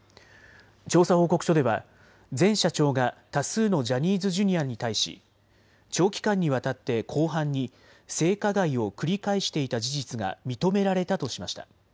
調査報告書では前社長が多数のジャニーズＪｒ．に対し長期間にわたって広範に性加害を繰り返していた事実が認められたとしました。